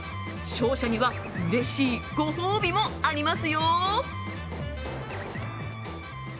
勝者にはうれしいご褒美もありますよ！